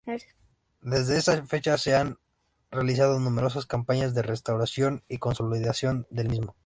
Desde esa fecha se han realizado numerosas campañas de restauración y consolidación del mismo.